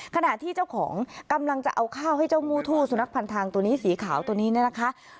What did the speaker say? ขณะที่เจ้าของกำลังจะเอาข้าวให้เจ้ามูทู่สุนัขพันทางตัวนี้สีขาวตัวนี้เนี่ยนะคะ